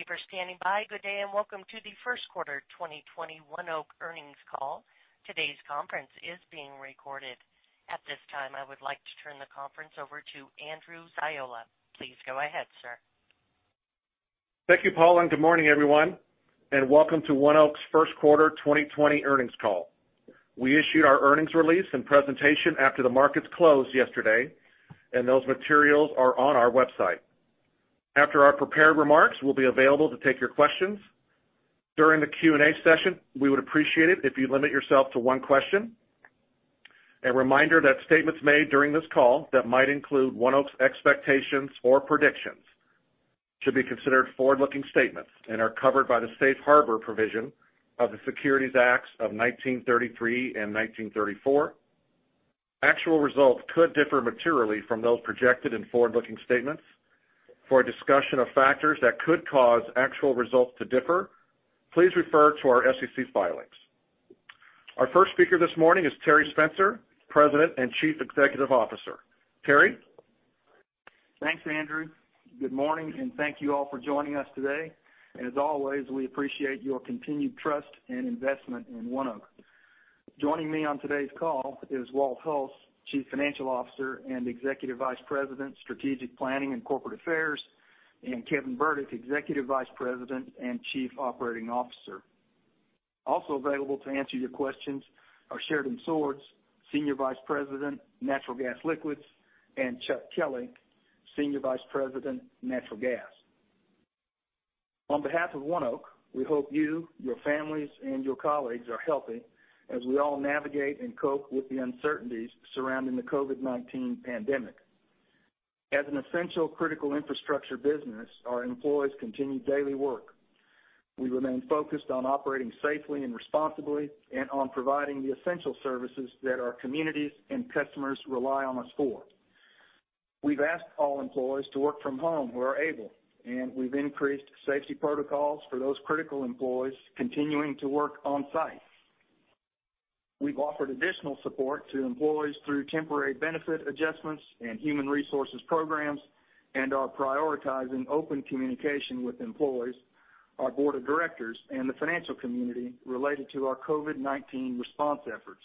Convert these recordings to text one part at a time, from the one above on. Thank you for standing by. Good day, and welcome to the Q1 2020 ONEOK earnings call. Today's conference is being recorded. At this time, I would like to turn the conference over to Andrew Ziola. Please go ahead, sir. Thank you, Paula, and good morning, everyone, and welcome to ONEOK's Q1 2020 earnings call. We issued our earnings release and presentation after the markets closed yesterday, and those materials are on our website. After our prepared remarks, we will be available to take your questions. During the Q&A session, we would appreciate it if you would limit yourself to one question. A reminder that statements made during this call that might include ONEOK's expectations or predictions should be considered forward-looking statements and are covered by the safe harbor provision of the Securities Acts of 1933 and 1934. Actual results could differ materially from those projected in forward-looking statements. For a discussion of factors that could cause actual results to differ, please refer to our SEC filings. Our first speaker this morning is Terry Spencer, President and Chief Executive Officer. Terry? Thanks, Andrew. Good morning, thank you all for joining us today. As always, we appreciate your continued trust and investment in ONEOK. Joining me on today's call is Walt Hulse, Chief Financial Officer and Executive Vice President, Strategic Planning and Corporate Affairs, and Kevin Burdick, Executive Vice President and Chief Operating Officer. Also available to answer your questions are Sheridan Swords, Senior Vice President, Natural Gas Liquids, and Chuck Kelley, Senior Vice President, Natural Gas. On behalf of ONEOK, we hope you, your families, and your colleagues are healthy as we all navigate and cope with the uncertainties surrounding the COVID-19 pandemic. As an essential critical infrastructure business, our employees continue daily work. We remain focused on operating safely and responsibly and on providing the essential services that our communities and customers rely on us for. We've asked all employees to work from home where able, and we've increased safety protocols for those critical employees continuing to work on-site. We've offered additional support to employees through temporary benefit adjustments and human resources programs and are prioritizing open communication with employees, our board of directors, and the financial community related to our COVID-19 response efforts.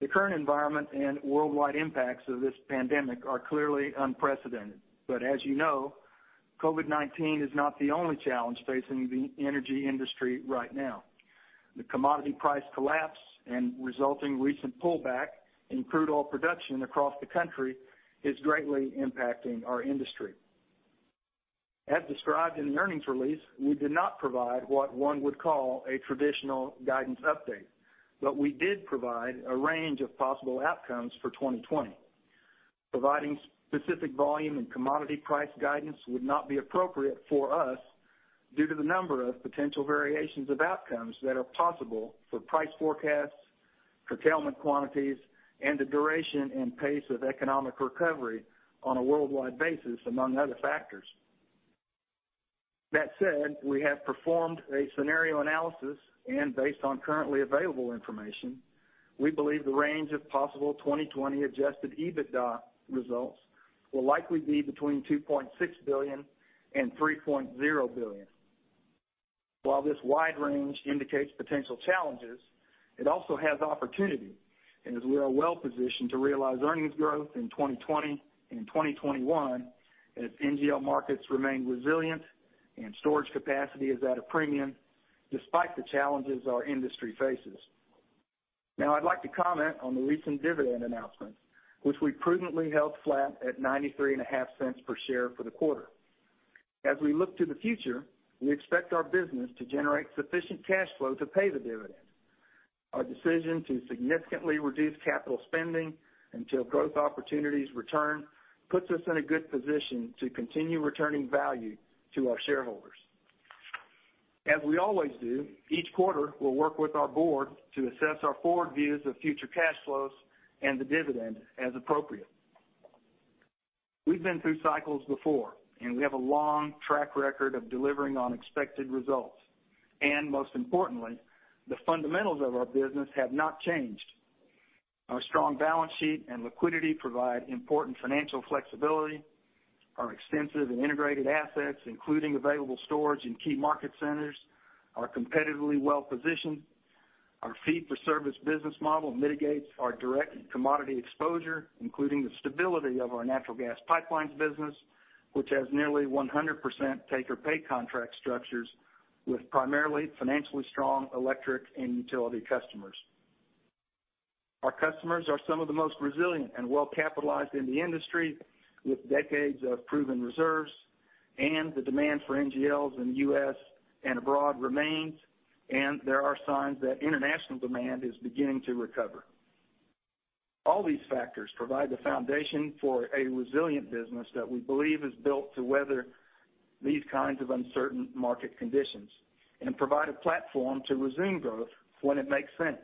The current environment and worldwide impacts of this pandemic are clearly unprecedented, but as you know, COVID-19 is not the only challenge facing the energy industry right now. The commodity price collapse and resulting recent pullback in crude oil production across the country is greatly impacting our industry. As described in the earnings release, we did not provide what one would call a traditional guidance update, but we did provide a range of possible outcomes for 2020. Providing specific volume and commodity price guidance would not be appropriate for us due to the number of potential variations of outcomes that are possible for price forecasts, curtailment quantities, and the duration and pace of economic recovery on a worldwide basis, among other factors. We have performed a scenario analysis, and based on currently available information, we believe the range of possible 2020 adjusted EBITDA results will likely be between $2.6 billion and $3.0 billion. While this wide range indicates potential challenges, it also has opportunity and is real well-positioned to realize earnings growth in 2020 and 2021 as NGL markets remain resilient and storage capacity is at a premium despite the challenges our industry faces. I'd like to comment on the recent dividend announcement, which we prudently held flat at $0.935 per share for the quarter. As we look to the future, we expect our business to generate sufficient cash flow to pay the dividend. Our decision to significantly reduce capital spending until growth opportunities return puts us in a good position to continue returning value to our shareholders. As we always do, each quarter we'll work with our board to assess our forward views of future cash flows and the dividend as appropriate. We've been through cycles before, and we have a long track record of delivering on expected results. Most importantly, the fundamentals of our business have not changed. Our strong balance sheet and liquidity provide important financial flexibility. Our extensive and integrated assets, including available storage in key market centers, are competitively well-positioned. Our fee-for-service business model mitigates our direct commodity exposure, including the stability of our natural gas pipelines business, which has nearly 100% take-or-pay contract structures with primarily financially strong electric and utility customers. Our customers are some of the most resilient and well-capitalized in the industry with decades of proven reserves, and the demand for NGLs in the U.S. and abroad remains, and there are signs that international demand is beginning to recover. All these factors provide the foundation for a resilient business that we believe is built to weather these kinds of uncertain market conditions and provide a platform to resume growth when it makes sense.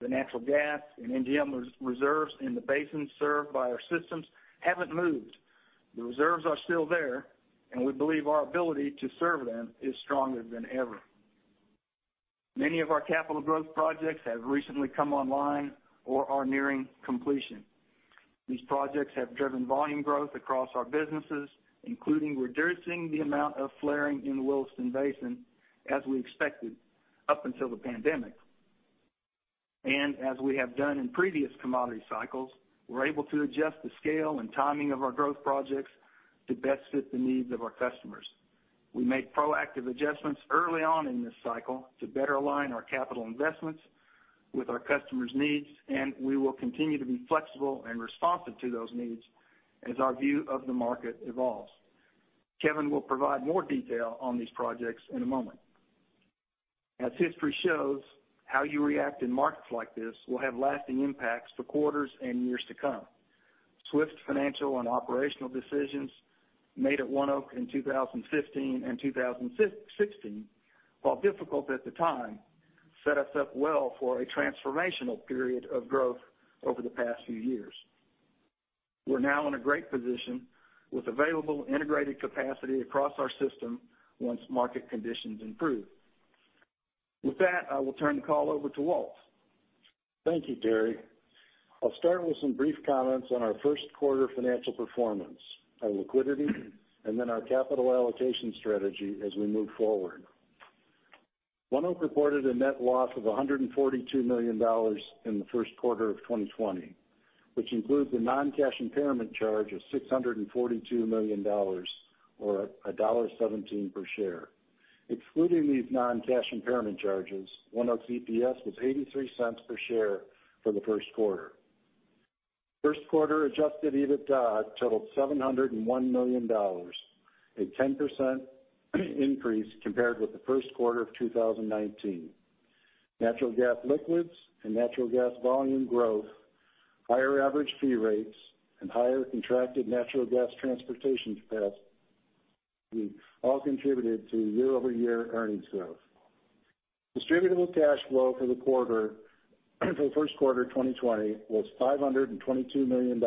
The natural gas and NGL reserves in the basins served by our systems haven't moved. The reserves are still there, and we believe our ability to serve them is stronger than ever. Many of our capital growth projects have recently come online or are nearing completion. These projects have driven volume growth across our businesses, including reducing the amount of flaring in the Williston Basin, as we expected up until the pandemic. As we have done in previous commodity cycles, we're able to adjust the scale and timing of our growth projects to best fit the needs of our customers. We made proactive adjustments early on in this cycle to better align our capital investments with our customers' needs, and we will continue to be flexible and responsive to those needs as our view of the market evolves. Kevin will provide more detail on these projects in a moment. As history shows, how you react in markets like this will have lasting impacts for quarters and years to come. Swift financial and operational decisions made at ONEOK in 2015 and 2016, while difficult at the time, set us up well for a transformational period of growth over the past few years. We're now in a great position with available integrated capacity across our system once market conditions improve. With that, I will turn the call over to Walt. Thank you, Terry. I'll start with some brief comments on our Q1 financial performance, our liquidity, and then our capital allocation strategy as we move forward. ONEOK reported a net loss of $142 million in the Q1 of 2020, which includes a non-cash impairment charge of $642 million or $1.17 per share. Excluding these non-cash impairment charges, ONEOK's EPS was $0.83 per share for the Q1. Q1 adjusted EBITDA totaled $701 million, a 10% increase compared with the Q1 of 2019. Natural gas liquids and natural gas volume growth, higher average fee rates, and higher contracted natural gas transportation capacity all contributed to year-over-year earnings growth. Distributable cash flow for the Q1 2020 was $522 million,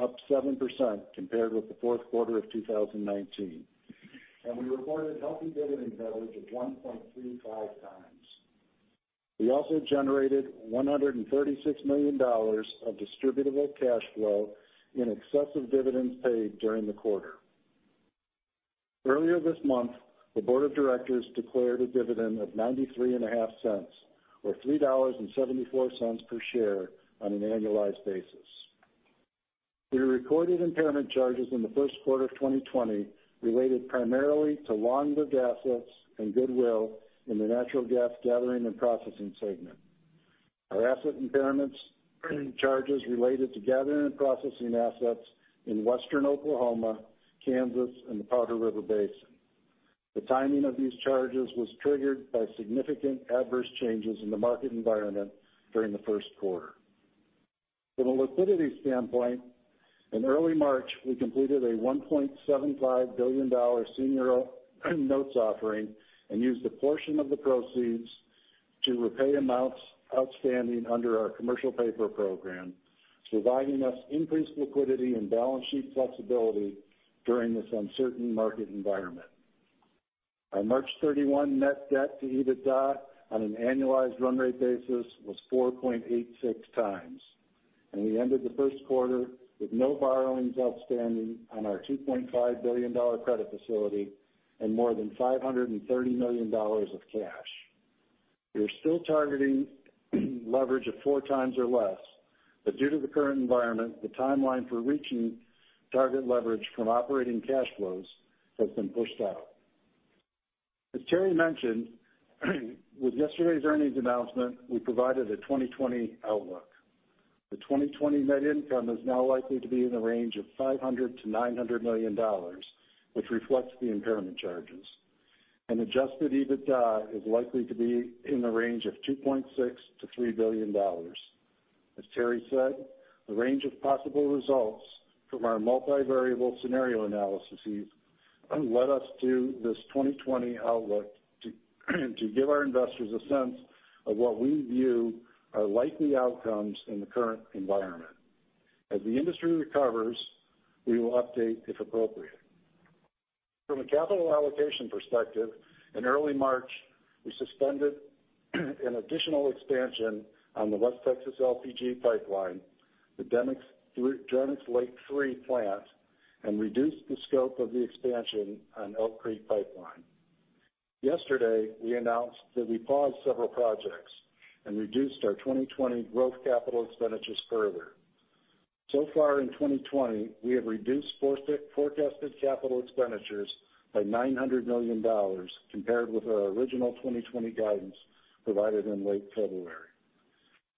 up 7% compared with the Q4 of 2019. We reported healthy dividend coverage of 1.35x. We also generated $136 million of distributable cash flow in excess of dividends paid during the quarter. Earlier this month, the board of directors declared a dividend of $0.935 or $3.74 per share on an annualized basis. We recorded impairment charges in the Q1 of 2020 related primarily to long-lived assets and goodwill in the natural gas gathering and processing segment. Our asset impairments charges related to gathering and processing assets in Western Oklahoma, Kansas, and the Powder River Basin. The timing of these charges was triggered by significant adverse changes in the market environment during the Q1. From a liquidity standpoint, in early March, we completed a $1.75 billion senior notes offering and used a portion of the proceeds to repay amounts outstanding under our commercial paper program, providing us increased liquidity and balance sheet flexibility during this uncertain market environment. Our March 31 net debt to EBITDA on an annualized run rate basis was 4.86x, and we ended the Q1 with no borrowings outstanding on our $2.5 billion credit facility and more than $530 million of cash. We are still targeting leverage of 4x or less, but due to the current environment, the timeline for reaching target leverage from operating cash flows has been pushed out. As Terry mentioned, with yesterday's earnings announcement, we provided a 2020 outlook. The 2020 net income is now likely to be in the range of $500 million-$900 million, which reflects the impairment charges. Adjusted EBITDA is likely to be in the range of $2.6 billion-$3 billion. As Terry Spencer said, the range of possible results from our multivariable scenario analyses led us to this 2020 outlook to give our investors a sense of what we view are likely outcomes in the current environment. As the industry recovers, we will update if appropriate. From a capital allocation perspective, in early March, we suspended an additional expansion on the West Texas LPG Pipeline, the Demicks Lake III plant, and reduced the scope of the expansion on Elk Creek Pipeline. Yesterday, we announced that we paused several projects and reduced our 2020 growth capital expenditures further. Far in 2020, we have reduced forecasted capital expenditures by $900 million compared with our original 2020 guidance provided in late February.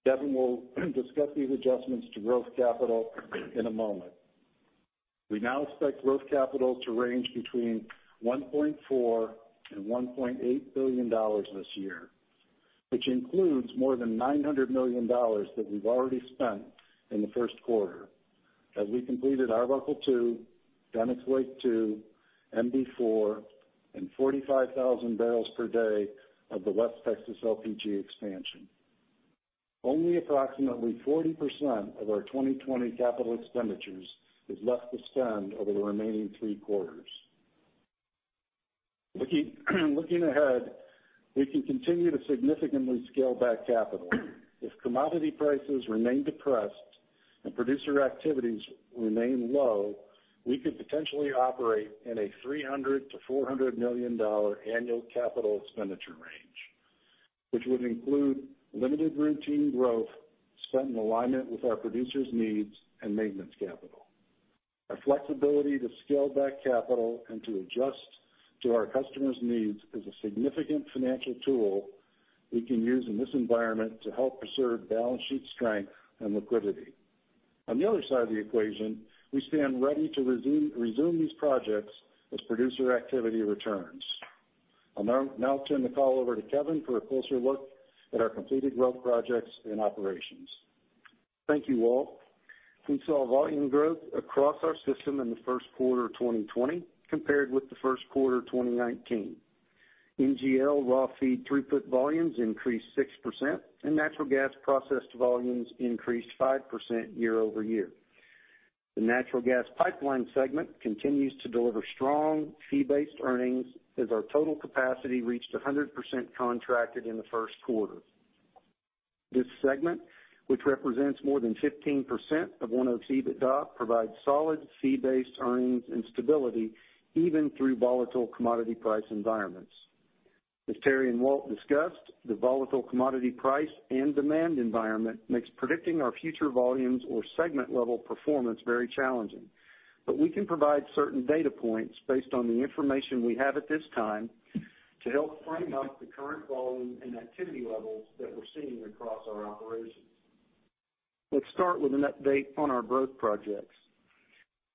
Kevin will discuss these adjustments to growth capital in a moment. We now expect growth capital to range between $1.4 billion and $1.8 billion this year, which includes more than $900 million that we've already spent in the Q1 as we completed Arbuckle II, Demicks Lake II, MB-4, and 45,000 bpd of the West Texas LPG expansion. Only approximately 40% of our 2020 capital expenditures is left to spend over the remaining three quarters. Looking ahead, we can continue to significantly scale back capital. If commodity prices remain depressed and producer activities remain low, we could potentially operate in a $300 million-$400 million annual capital expenditure range, which would include limited routine growth spent in alignment with our producers' needs and maintenance capital. Our flexibility to scale back capital and to adjust to our customers' needs is a significant financial tool we can use in this environment to help preserve balance sheet strength and liquidity. On the other side of the equation, we stand ready to resume these projects as producer activity returns. I'll now turn the call over to Kevin for a closer look at our completed growth projects and operations. Thank you, Walter. We saw volume growth across our system in the Q1 of 2020 compared with the Q1 of 2019. NGL raw feed throughput volumes increased 6%, and natural gas processed volumes increased 5% year-over-year. The natural gas pipeline segment continues to deliver strong fee-based earnings as our total capacity reached 100% contracted in the Q1. This segment, which represents more than 15% of ONEOK EBITDA, provides solid fee-based earnings and stability even through volatile commodity price environments. As Terry and Walt discussed, the volatile commodity price and demand environment makes predicting our future volumes or segment-level performance very challenging. We can provide certain data points based on the information we have at this time to help frame up the current volume and activity levels that we're seeing across our operations. Let's start with an update on our growth projects.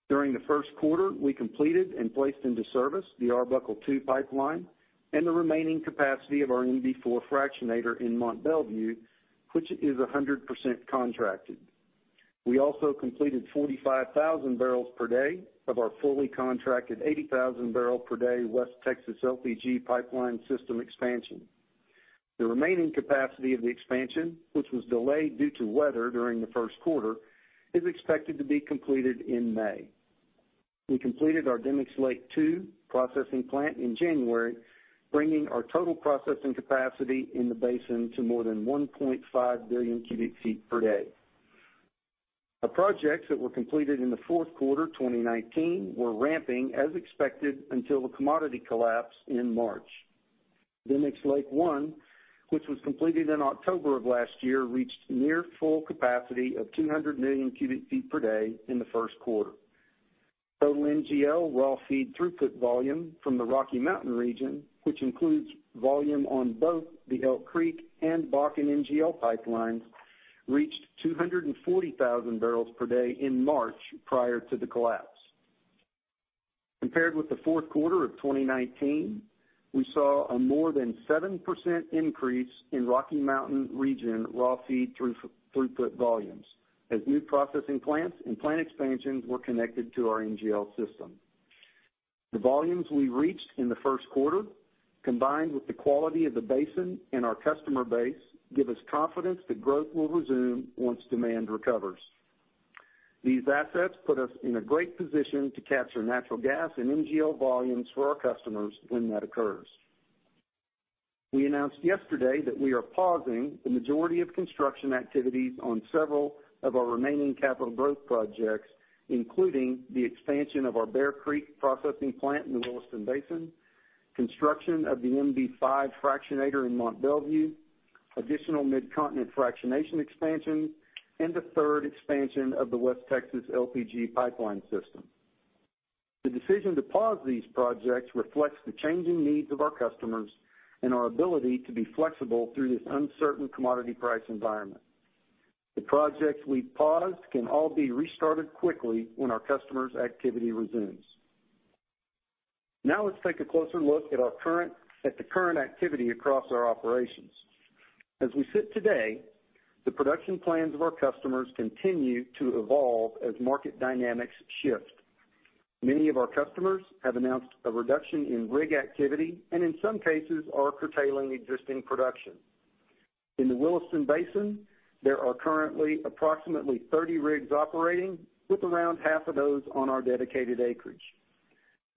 During the first quarter, we completed and placed into service the Arbuckle II Pipeline and the remaining capacity of our MB-4 fractionator in Mont Belvieu, which is 100% contracted. We also completed 45,000 bpd of our fully contracted 80,000 bpd West Texas LPG Pipeline system expansion. The remaining capacity of the expansion, which was delayed due to weather during Q1, is expected to be completed in May. We completed our Demicks Lake II processing plant in January, bringing our total processing capacity in the basin to more than 1.5 billion cubic feet per day. The projects that were completed in the Q4 2019 were ramping as expected until the commodity collapse in March. Demicks Lake I, which was completed in October of last year, reached near full capacity of 200 million cubic feet per day in the Q1. Total NGL raw feed throughput volume from the Rocky Mountain region, which includes volume on both the Elk Creek and Bakken NGL pipelines, reached 240,000 bpd in March prior to the collapse. Compared with the Q4 of 2019, we saw a more than 7% increase in Rocky Mountain region raw feed throughput volumes as new processing plants and plant expansions were connected to our NGL system. The volumes we reached in the Q1, combined with the quality of the basin and our customer base, give us confidence that growth will resume once demand recovers. These assets put us in a great position to capture natural gas and NGL volumes for our customers when that occurs. We announced yesterday that we are pausing the majority of construction activities on several of our remaining capital growth projects, including the expansion of our Bear Creek processing plant in the Williston Basin, construction of the MB-5 fractionator in Mont Belvieu, additional Midcontinent fractionation expansion, and a third expansion of the West Texas LPG Pipeline system. The decision to pause these projects reflects the changing needs of our customers and our ability to be flexible through this uncertain commodity price environment. The projects we've paused can all be restarted quickly when our customers' activity resumes. Let's take a closer look at the current activity across our operations. As we sit today, the production plans of our customers continue to evolve as market dynamics shift. Many of our customers have announced a reduction in rig activity, and in some cases are curtailing existing production. In the Williston Basin, there are currently approximately 30 rigs operating, with around half of those on our dedicated acreage.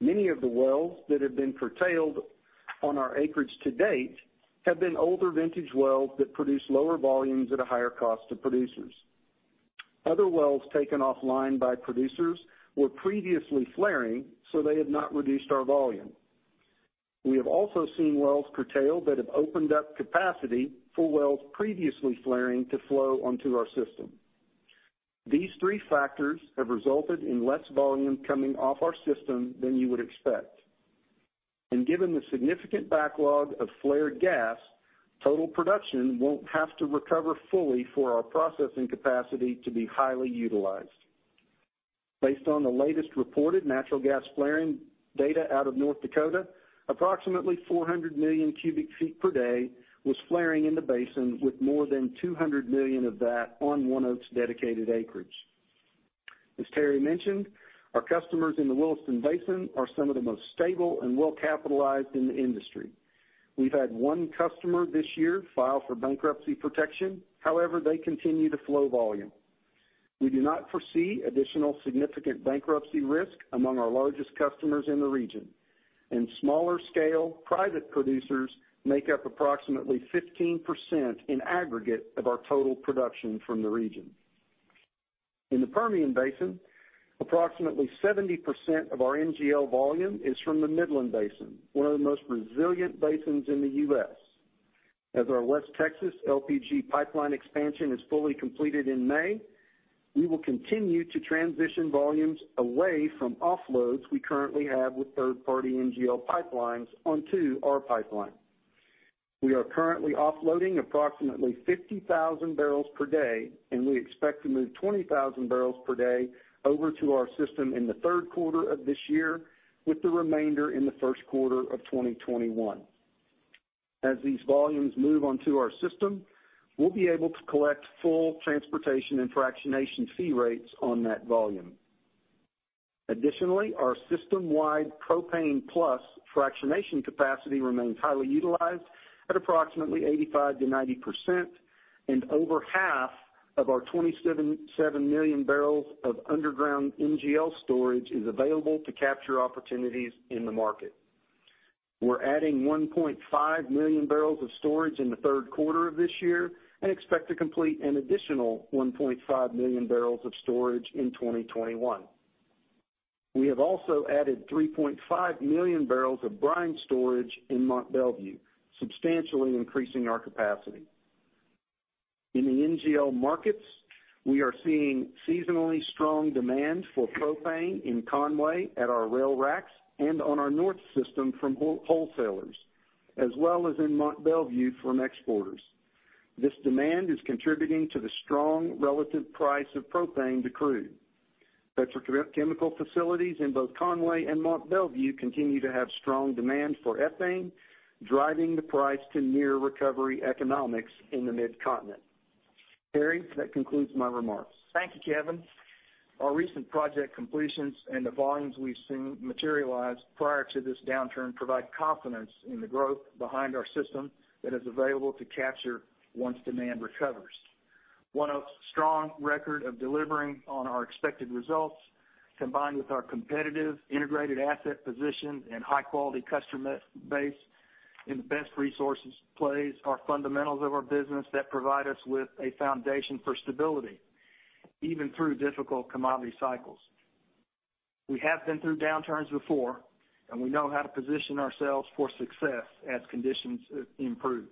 Many of the wells that have been curtailed on our acreage to date have been older vintage wells that produce lower volumes at a higher cost to producers. Other wells taken offline by producers were previously flaring. They have not reduced our volume. We have also seen wells curtailed that have opened up capacity for wells previously flaring to flow onto our system. These three factors have resulted in less volume coming off our system than you would expect. Given the significant backlog of flared gas, total production won't have to recover fully for our processing capacity to be highly utilized. Based on the latest reported natural gas flaring data out of North Dakota, approximately 400 million cubic feet per day was flaring in the basin, with more than 200 million of that on ONEOK's dedicated acreage. As Terry mentioned, our customers in the Williston Basin are some of the most stable and well-capitalized in the industry. We've had one customer this year file for bankruptcy protection. However, they continue to flow volume. We do not foresee additional significant bankruptcy risk among our largest customers in the region. Smaller scale private producers make up approximately 15% in aggregate of our total production from the region. In the Permian Basin, approximately 70% of our NGL volume is from the Midland Basin, one of the most resilient basins in the U.S. As our West Texas LPG Pipeline expansion is fully completed in May, we will continue to transition volumes away from offloads we currently have with third-party NGL pipelines onto our pipeline. We are currently offloading approximately 50,000 bpd, and we expect to move 20,000 bpd over to our system in Q3 of this year, with the remainder in Q1 of 2021. As these volumes move onto our system, we'll be able to collect full transportation and fractionation fee rates on that volume. Additionally, our system-wide propane plus fractionation capacity remains highly utilized at approximately 85%-90%, and over half of our 27 MMbbl of underground NGL storage is available to capture opportunities in the market. We're adding 1.5 MMbbl of storage in Q3 of this year and expect to complete an additional 1.5 MMbbl of storage in 2021. We have also added 3.5 MMbbl of brine storage in Mont Belvieu, substantially increasing our capacity. In the NGL markets, we are seeing seasonally strong demand for propane in Conway at our rail racks and on our north system from wholesalers, as well as in Mont Belvieu from exporters. This demand is contributing to the strong relative price of propane to crude. Petrochemical facilities in both Conway and Mont Belvieu continue to have strong demand for ethane, driving the price to near recovery economics in the midcontinent. Terry, that concludes my remarks. Thank you, Kevin. Our recent project completions and the volumes we've seen materialize prior to this downturn provide confidence in the growth behind our system that is available to capture once demand recovers. ONEOK's strong record of delivering on our expected results, combined with our competitive integrated asset position and high-quality customer base in the best resources plays are fundamentals of our business that provide us with a foundation for stability, even through difficult commodity cycles. We have been through downturns before, and we know how to position ourselves for success as conditions improve.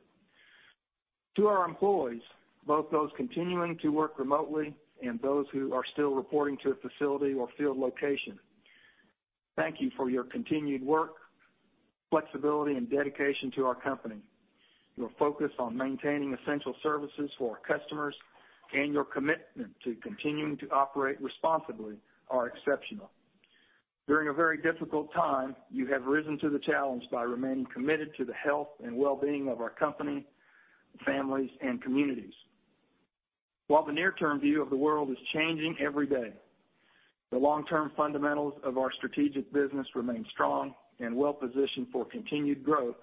To our employees, both those continuing to work remotely and those who are still reporting to a facility or field location, thank you for your continued work, flexibility, and dedication to our company. Your focus on maintaining essential services for our customers and your commitment to continuing to operate responsibly are exceptional. During a very difficult time, you have risen to the challenge by remaining committed to the health and well-being of our company, families, and communities. While the near-term view of the world is changing every day, the long-term fundamentals of our strategic business remain strong and well-positioned for continued growth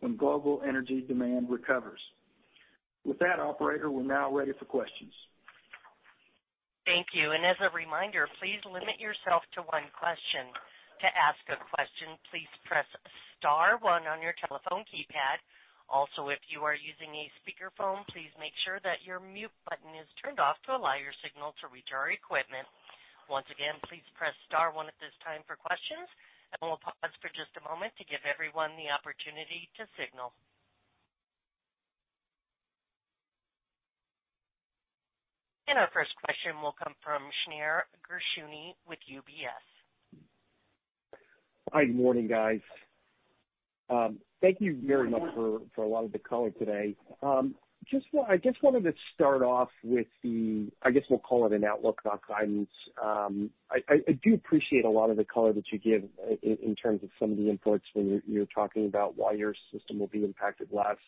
when global energy demand recovers. With that, operator, we are now ready for questions. Thank you. As a reminder, please limit yourself to one question. To ask a question, please press star one on your telephone keypad. If you are using a speakerphone, please make sure that your mute button is turned off to allow your signal to reach our equipment. Once again, please press star one at this time for questions, and we'll pause for just a moment to give everyone the opportunity to signal. Our first question will come from Shneur Gershuni with UBS. Hi, good morning, guys. Thank you very much for a lot of the color today. I just wanted to start off with the, I guess, we'll call it an outlook, not guidance. I do appreciate a lot of the color that you give in terms of some of the inputs when you're talking about why your system will be impacted less,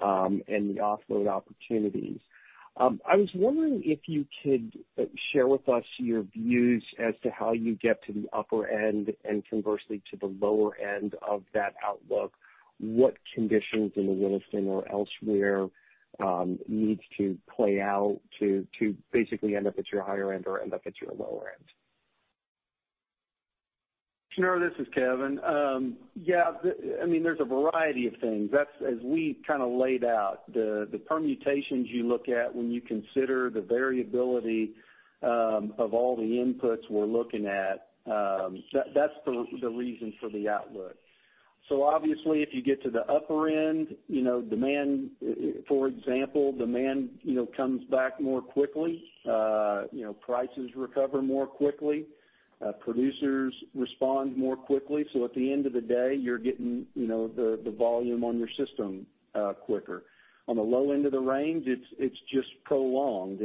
and the offload opportunities. I was wondering if you could share with us your views as to how you get to the upper end, and conversely, to the lower end of that outlook. What conditions in the Williston or elsewhere needs to play out to basically end up at your higher end or end up at your lower end? Shneur, this is Kevin. Yeah, there's a variety of things. As we kind of laid out, the permutations you look at when you consider the variability of all the inputs we're looking at, that's the reason for the outlook. Obviously, if you get to the upper end, for example, demand comes back more quickly, prices recover more quickly, producers respond more quickly. At the end of the day, you're getting the volume on your system quicker. On the low end of the range, it's just prolonged.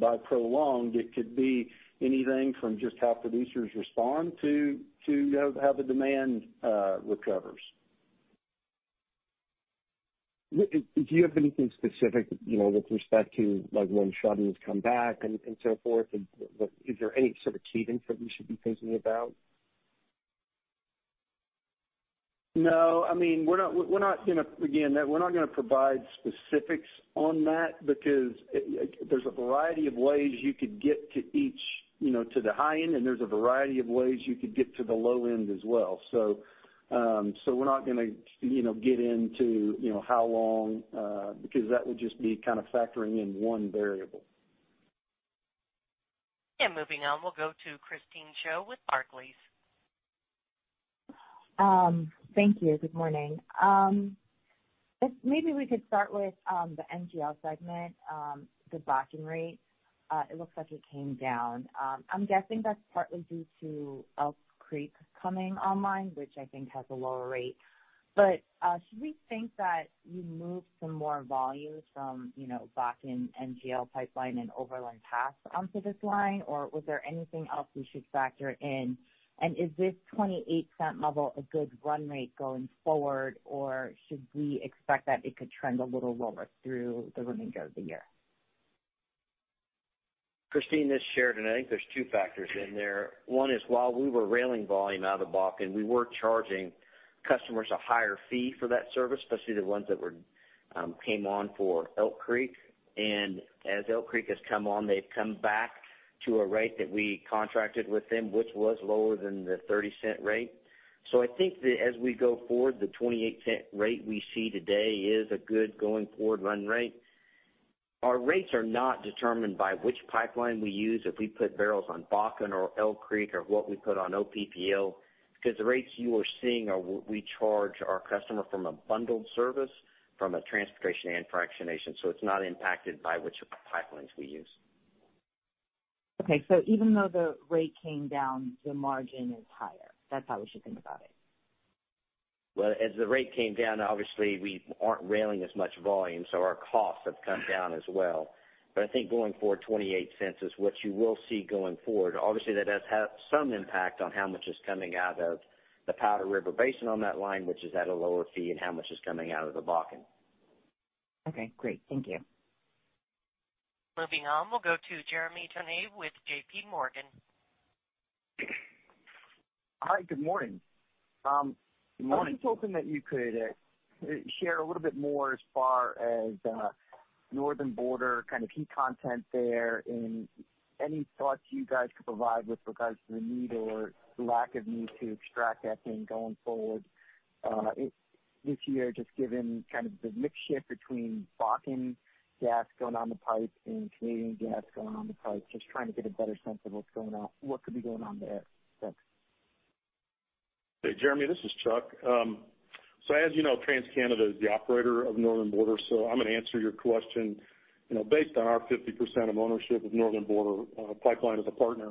By prolonged, it could be anything from just how producers respond to how the demand recovers. Do you have anything specific with respect to when shut-ins come back and so forth? Is there any sort of timing that we should be thinking about? No. Again, we're not going to provide specifics on that because there's a variety of ways you could get to the high end, and there's a variety of ways you could get to the low end as well. We're not going to get into how long because that would just be kind of factoring in one variable. Moving on, we'll go to Christine Cho with Barclays. Thank you. Good morning. Maybe we could start with the NGL segment, the Bakken rate. It looks like it came down. I'm guessing that's partly due to Elk Creek coming online, which I think has a lower rate. Should we think that you moved some more volumes from Bakken NGL Pipeline and Overland Pass onto this line, or was there anything else we should factor in? Is this $0.28 level a good run rate going forward, or should we expect that it could trend a little lower through the remainder of the year? Christine, this is Sheridan. I think there's two factors in there. One is while we were railing volume out of Bakken, we were charging customers a higher fee for that service, especially the ones that came on for Elk Creek. As Elk Creek has come on, they've come back to a rate that we contracted with them, which was lower than the $0.30 rate. I think that as we go forward, the $0.28 rate we see today is a good going forward run rate. Our rates are not determined by which pipeline we use, if we put barrels on Bakken or Elk Creek or what we put on OPPL. The rates you are seeing are what we charge our customer from a bundled service, from a transportation and fractionation. It's not impacted by which pipelines we use. Okay. Even though the rate came down, the margin is higher. That's how we should think about it. As the rate came down, obviously we aren't railing as much volume, so our costs have come down as well. I think going forward, $0.28 is what you will see going forward. Obviously that does have some impact on how much is coming out of the Powder River Basin on that line, which is at a lower fee, and how much is coming out of the Bakken. Okay, great. Thank you. Moving on, we'll go to Jeremy Tonet with JPMorgan. Hi, good morning. Good morning. I was just hoping that you could share a little bit more as far as Northern Border kind of heat content there, and any thoughts you guys could provide with regards to the need or lack of need to extract ethane going forward this year, just given kind of the mix shift between Bakken gas going on the pipes and Canadian gas going on the pipes. Just trying to get a better sense of what could be going on there. Thanks. Hey, Jeremy. This is Chuck. As you know, TransCanada is the operator of Northern Border, I'm going to answer your question based on our 50% of ownership of Northern Border Pipeline as a partner.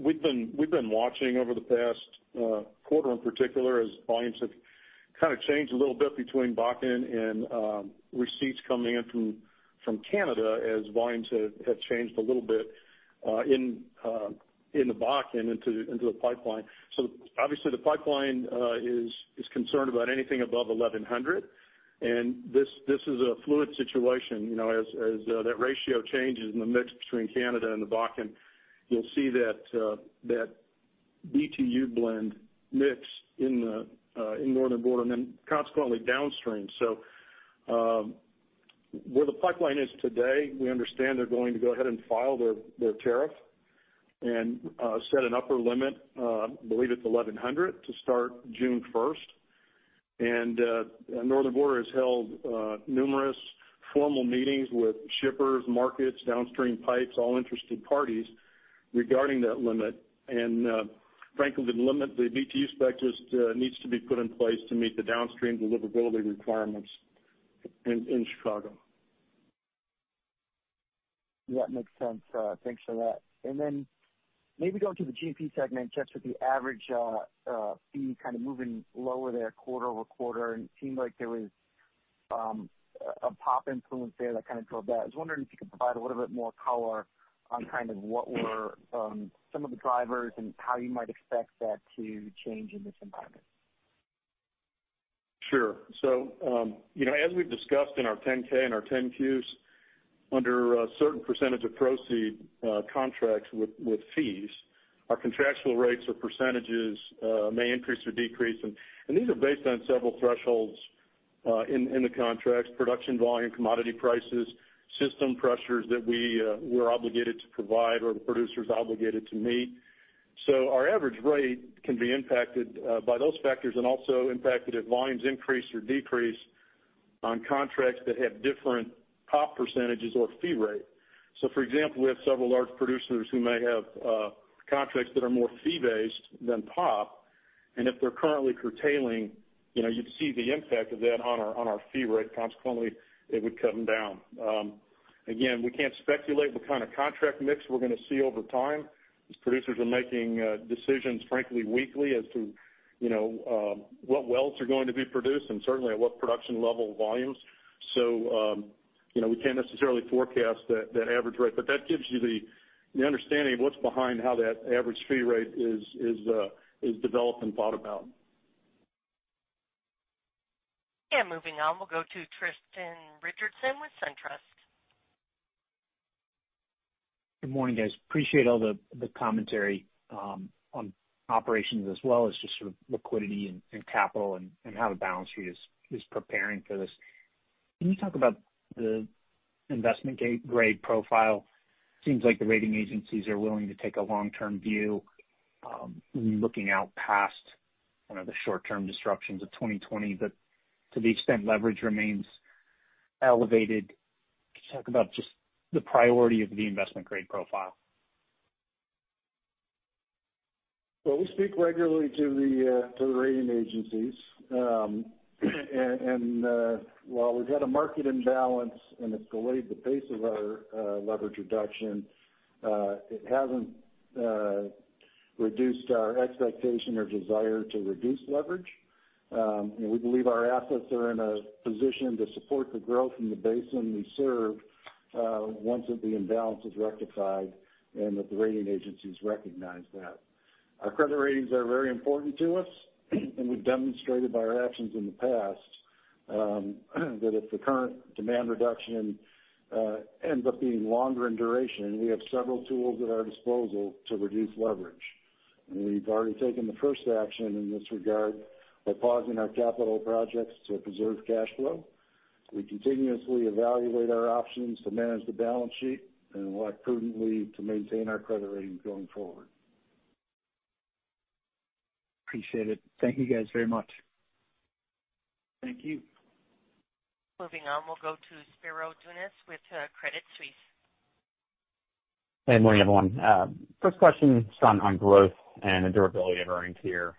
We've been watching over the past quarter in particular as volumes have kind of changed a little bit between Bakken and receipts coming in from Canada as volumes have changed a little bit in the Bakken into the pipeline. Obviously the pipeline is concerned about anything above 1,100. This is a fluid situation. As that ratio changes in the mix between Canada and the Bakken, you'll see that BTU blend mix in Northern Border, and then consequently downstream. Where the pipeline is today, we understand they're going to go ahead and file their tariff and set an upper limit, believe it's 1,100, to start June 1st. Northern Border has held numerous formal meetings with shippers, markets, downstream pipes, all interested parties regarding that limit. Frankly, the limit, the BTU spec just needs to be put in place to meet the downstream deliverability requirements in Chicago. Yeah, that makes sense. Thanks for that. Maybe going to the G&P segment, just with the average fee kind of moving lower there quarter-over-quarter, and it seemed like there was a POP influence there that kind of drove that. I was wondering if you could provide a little bit more color on kind of what were some of the drivers and how you might expect that to change in this environment. Sure. As we've discussed in our 10-K and our 10-Qs, under a certain Percentage of Proceeds contracts with fees, our contractual rates or percentages may increase or decrease. These are based on several thresholds in the contracts, production volume, commodity prices, system pressures that we're obligated to provide or the producer's obligated to meet. Our average rate can be impacted by those factors and also impacted if volumes increase or decrease on contracts that have different POP percentages or fee rate. For example, we have several large producers who may have contracts that are more fee-based than POP, and if they're currently curtailing, you'd see the impact of that on our fee rate. Consequently, it would come down. Again, we can't speculate what kind of contract mix we're going to see over time as producers are making decisions, frankly, weekly as to what wells are going to be produced and certainly at what production level volumes. We can't necessarily forecast that average rate. That gives you the understanding of what's behind how that average fee rate is developed and thought about. Yeah. Moving on, we'll go to Tristan Richardson with SunTrust. Good morning, guys. Appreciate all the commentary on operations as well as just sort of liquidity and capital and how the balance sheet is preparing for this. Can you talk about the investment-grade profile? Seems like the rating agencies are willing to take a long-term view, looking out past one of the short-term disruptions of 2020. To the extent leverage remains elevated, can you talk about just the priority of the investment-grade profile? Well, we speak regularly to the rating agencies. While we've had a market imbalance, and it's delayed the pace of our leverage reduction, it hasn't reduced our expectation or desire to reduce leverage. We believe our assets are in a position to support the growth in the basin we serve once that the imbalance is rectified and that the rating agencies recognize that. Our credit ratings are very important to us, and we've demonstrated by our actions in the past that if the current demand reduction ends up being longer in duration, we have several tools at our disposal to reduce leverage. We've already taken the first action in this regard by pausing our capital projects to preserve cash flow. We continuously evaluate our options to manage the balance sheet and will act prudently to maintain our credit ratings going forward. Appreciate it. Thank you guys very much. Thank you. Moving on, we'll go to Spiro Dounis with Credit Suisse. Hey, good morning, everyone. First question, Sean, on growth and the durability of earnings here.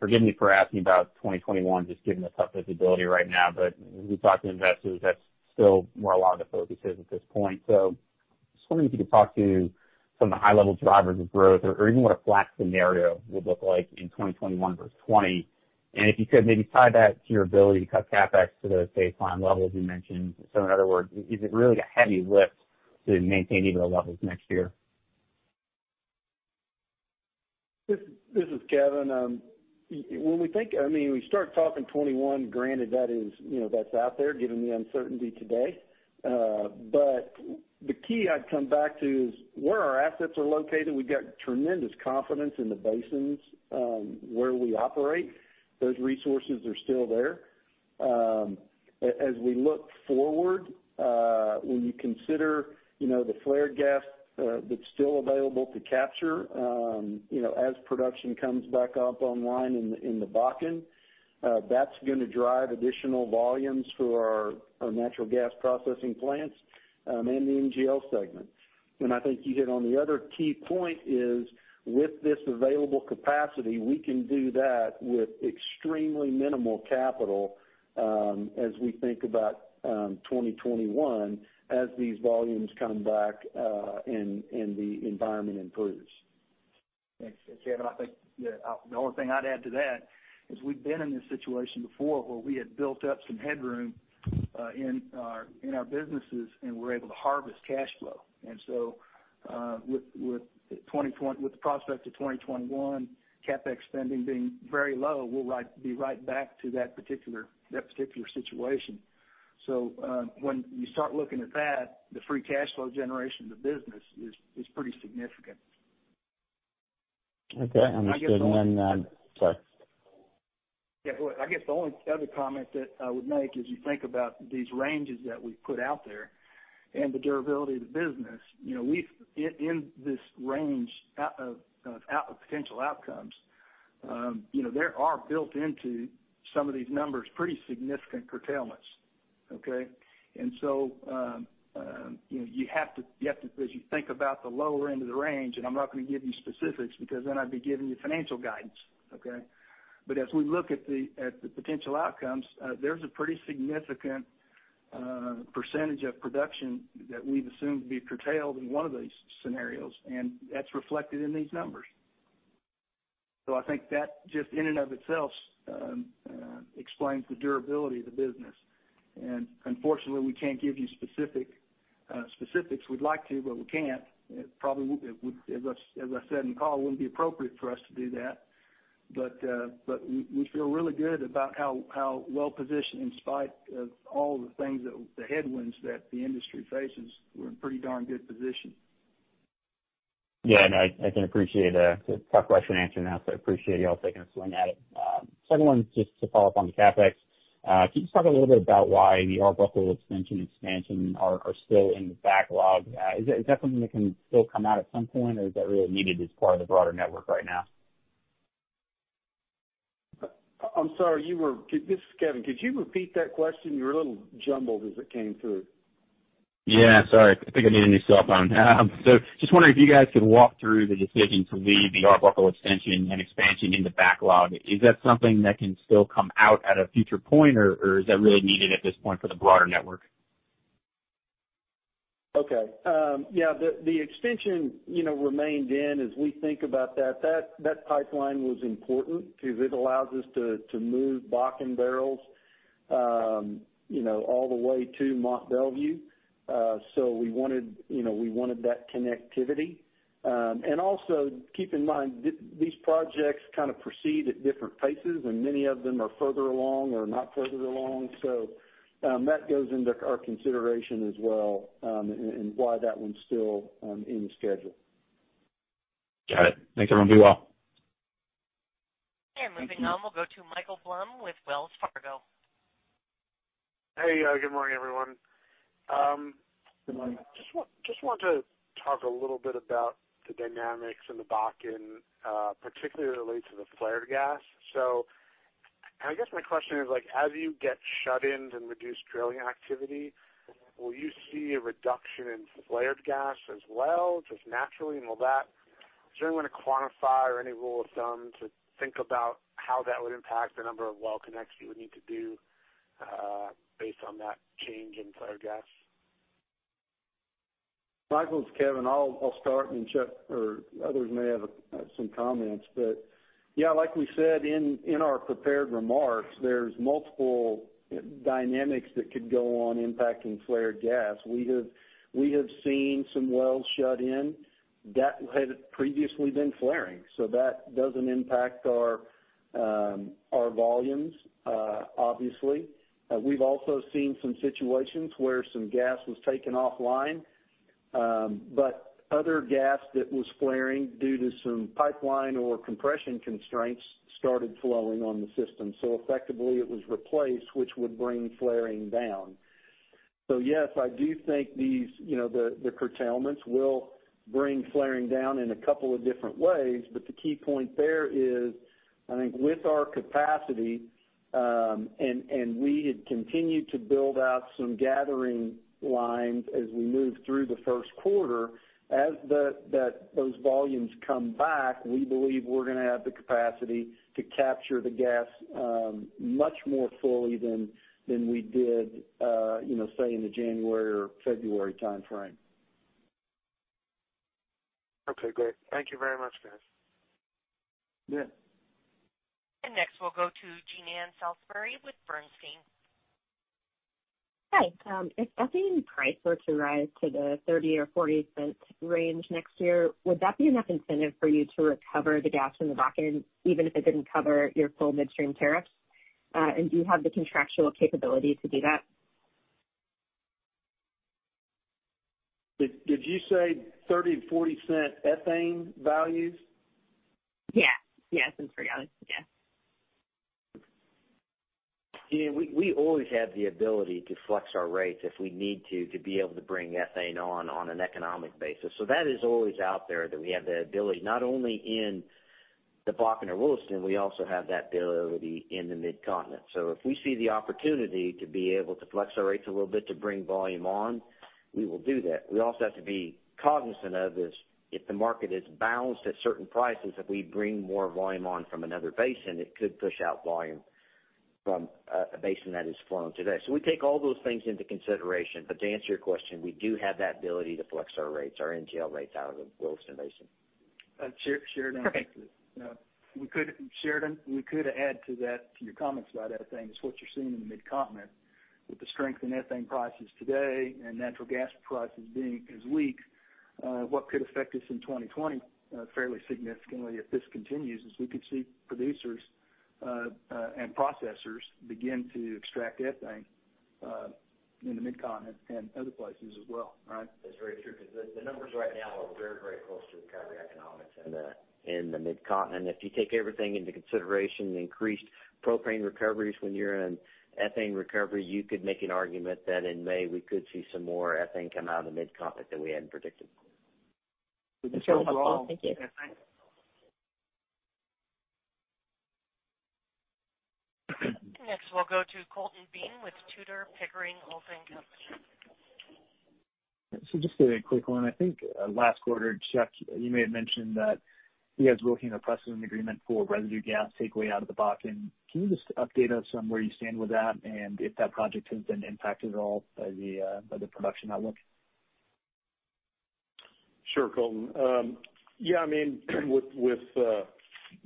Forgive me for asking about 2021, just given the tough visibility right now, but when we talk to investors, that's still where a lot of the focus is at this point. Just wondering if you could talk to some of the high-level drivers of growth or even what a flat scenario would look like in 2021 versus 2020. If you could maybe tie that to your ability to cut CapEx to the baseline levels you mentioned. In other words, is it really a heavy lift to maintain EBITDA levels next year? This is Kevin. When we start talking 2021, granted, that's out there given the uncertainty today. The key I'd come back to is where our assets are located. We've got tremendous confidence in the basins where we operate. Those resources are still there. As we look forward, when you consider the flared gas that's still available to capture as production comes back up online in the Bakken, that's going to drive additional volumes for our natural gas processing plants and the NGL segment. I think you hit on the other key point is, with this available capacity, we can do that with extremely minimal capital as we think about 2021 as these volumes come back and the environment improves. Thanks. Kevin, I think the only thing I'd add to that is we've been in this situation before where we had built up some headroom in our businesses and were able to harvest cash flow. With the prospect of 2021 CapEx spending being very low, we'll be right back to that particular situation. When you start looking at that, the free cash flow generation of the business is pretty significant. Okay. Understood. Sorry. Yeah. I guess the only other comment that I would make is you think about these ranges that we've put out there and the durability of the business. In this range of potential outcomes, there are built into some of these numbers pretty significant curtailments. Okay? As you think about the lower end of the range, I'm not going to give you specifics because then I'd be giving you financial guidance. Okay? As we look at the potential outcomes, there's a pretty significant percentage of production that we've assumed to be curtailed in one of these scenarios, and that's reflected in these numbers. I think that just in and of itself explains the durability of the business. Unfortunately, we can't give you specifics. We'd like to, but we can't. As I said in the call, it wouldn't be appropriate for us to do that. We feel really good about how well-positioned, in spite of all the things the headwinds that the industry faces, we're in pretty darn good position. Yeah. No, I can appreciate a tough question to answer now, so I appreciate you all taking a swing at it. Second one, just to follow up on the CapEx. Can you just talk a little bit about why the Arbuckle extension expansion are still in the backlog? Is that something that can still come out at some point or is that really needed as part of the broader network right now? I'm sorry. This is Kevin. Could you repeat that question? You were a little jumbled as it came through. Yeah, sorry. I think I need a new cell phone. Just wondering if you guys could walk through the decision to leave the Arbuckle extension and expansion in the backlog. Is that something that can still come out at a future point, or is that really needed at this point for the broader network? Okay. Yeah, the extension remained in as we think about that. That pipeline was important because it allows us to move Bakken barrels all the way to Mont Belvieu. We wanted that connectivity. Also keep in mind, these projects kind of proceed at different paces, and many of them are further along or not further along. That goes into our consideration as well and why that one's still in schedule. Got it. Thanks everyone. Be well. Thank you. Moving on, we'll go to Michael Blum with Wells Fargo. Hey, good morning everyone. Good morning. Just want to talk a little bit about the dynamics in the Bakken, particularly as it relates to the flared gas. I guess my question is, as you get shut-ins and reduced drilling activity, will you see a reduction in flared gas as well, just naturally, is there any way to quantify or any rule of thumb to think about how that would impact the number of well connects you would need to do, based on that change in flared gas? Michael, it's Kevin. I'll start, Chuck or others may have some comments. Yeah, like we said in our prepared remarks, there's multiple dynamics that could go on impacting flared gas. We have seen some wells shut in that had previously been flaring. That doesn't impact our volumes, obviously. We've also seen some situations where some gas was taken offline, other gas that was flaring due to some pipeline or compression constraints started flowing on the system. Effectively it was replaced, which would bring flaring down. Yes, I do think the curtailments will bring flaring down in a couple of different ways. The key point there is, I think with our capacity, we had continued to build out some gathering lines as we moved through the first quarter. As those volumes come back, we believe we're going to have the capacity to capture the gas much more fully than we did, say, in the January or February timeframe. Okay, great. Thank you very much, guys. Yeah. Next, we'll go to Jean Ann Salisbury with Bernstein. Hi. If ethane price were to rise to the $0.30 or $0.40 range next year, would that be enough incentive for you to recover the gas from the back end, even if it didn't cover your full midstream tariffs? Do you have the contractual capability to do that? Did you say $0.30-$0.40 ethane values? Yeah. Ethane values. Yeah. We always have the ability to flex our rates if we need to be able to bring ethane on an economic basis. That is always out there, that we have the ability, not only in the Bakken or Williston, we also have that availability in the Mid-Continent. If we see the opportunity to be able to flex our rates a little bit to bring volume on, we will do that. We also have to be cognizant of is if the market is balanced at certain prices, if we bring more volume on from another basin, it could push out volume from a basin that is flowing today. We take all those things into consideration. To answer your question, we do have that ability to flex our rates, our NGL rates out of the Williston Basin. Sheridan? Okay. Sheridan, we could add to your comments about ethane, is what you're seeing in the Mid-Continent with the strength in ethane prices today and natural gas prices being as weak, what could affect us in 2020 fairly significantly if this continues, is we could see producers and processors begin to extract ethane in the Mid-Continent and other places as well. Right? That's very true, because the numbers right now are very close to the kind of economics in the Mid-Continent. If you take everything into consideration, the increased propane recoveries when you're in ethane recovery, you could make an argument that in May, we could see some more ethane come out of the Mid-Continent that we hadn't predicted. Okay. Well, thank you. Yeah. Thanks. Next, we'll go to Colton Bean with Tudor, Pickering, Holt & Co. Just a quick one. I think last quarter, Chuck, you may have mentioned that you guys were working a precedent agreement for residue gas takeaway out of the Bakken. Can you just update us on where you stand with that, and if that project has been impacted at all by the production outlook? Sure, Colton. With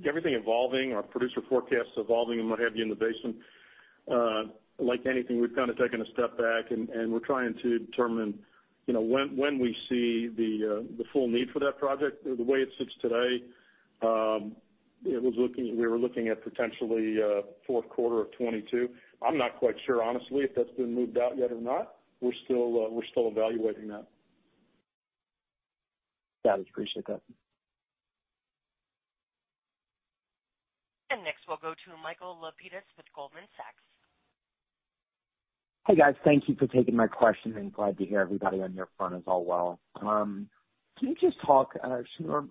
everything evolving, our producer forecasts evolving in [Magabian] basin. Like anything, we've kind of taken a step back, and we're trying to determine when we see the full need for that project. The way it sits today, we were looking at potentially Q4 of 2022. I'm not quite sure, honestly, if that's been moved out yet or not. We're still evaluating that. Got it. Appreciate that. Next, we'll go to Michael Lapides with Goldman Sachs. Hey, guys. Thank you for taking my question, and glad to hear everybody on your front is all well. Can you just talk, Shneur